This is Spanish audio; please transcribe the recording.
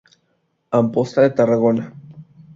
Amposta de Tarragona.